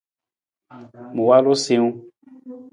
Ma walu siwung.